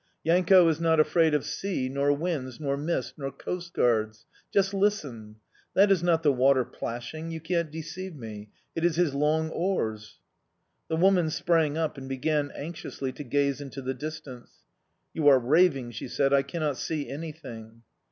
"Yanko is not afraid of sea, nor winds, nor mist, nor coastguards! Just listen! That is not the water plashing, you can't deceive me it is his long oars." The woman sprang up and began anxiously to gaze into the distance. "You are raving!" she said. "I cannot see anything."